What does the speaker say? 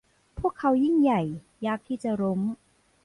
พวกเขายิ่งใหญ่ยากที่จะล้ม